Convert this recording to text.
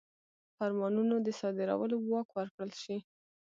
فرمانونو د صادرولو واک ورکړل شي.